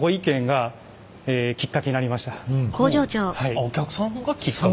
あっお客さんがきっかけ。